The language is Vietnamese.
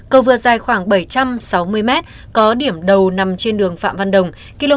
cầu vượt dài khoảng bảy trăm sáu mươi m có điểm đầu nằm trên đường phạm văn đồng